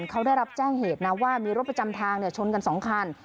เขาได้รับแจ้งเหตุนะว่ามีรถประจำทางชนกัน๒คัน